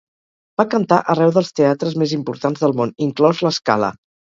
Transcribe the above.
Va cantar arreu dels teatres més importants del món, inclòs La Scala.